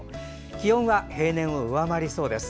気温は平年を上回りそうです。